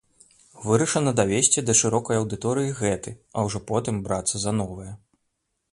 Вырашана давесці да шырокай аўдыторыі гэты, а ўжо потым брацца за новае.